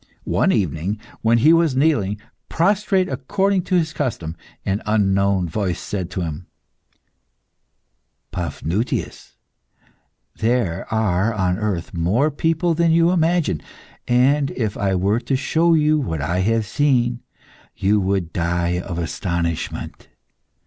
One evening, when he was kneeling prostrate according to his custom, an unknown voice said to him "Paphnutius, there are on earth more people than you imagine, and if I were to show you what I have seen, you would die of astonishment.